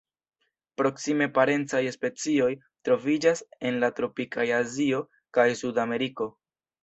Proksime parencaj specioj troviĝas en la tropikaj Azio kaj Sudameriko.